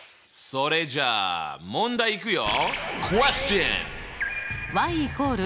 それじゃあ問題いくよ。